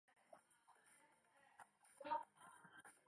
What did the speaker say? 妖洱尺蛾为尺蛾科洱尺蛾属下的一个种。